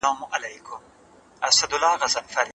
نويو مفاهيمو د اقتصاد لويه برخه جوړه کړې وه.